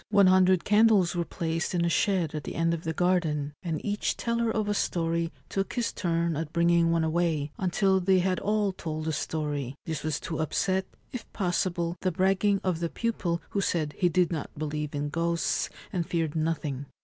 One hundred candles were placed in a shed at the end of the garden, and each teller of a story took his turn at bringing one away, until they had all told a story ; this was to upset, if possible, the bragging of the pupil who said he did not believe in ghosts and feared nothing.